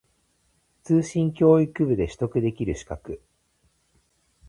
通信教育部で取得できる資格